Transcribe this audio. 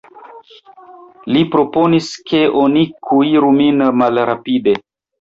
Li proponis, ke oni kuiru min malrapide.